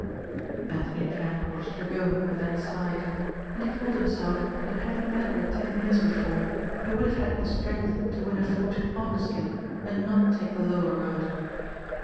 _" Anthony Trent watched her go and then sighed. And he told himself that had he met her ten years before he would have had the strength to win a fortune honestly and not take the lower road.